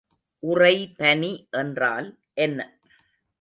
உறைபனி என்றால் என்ன?